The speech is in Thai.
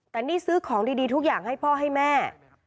แต่นี่ซื้อของดีทุกอย่างให้พ่อให้แม่